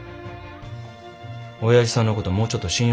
おやじさんのこともうちょっと信用したって。